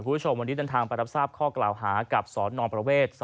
คุณผู้ชมวันนี้เดินทางไปรับทราบข้อกล่าวหากับสนประเวท๒